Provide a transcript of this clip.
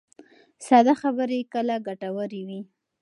ساده خبرې کله ګټورې وي.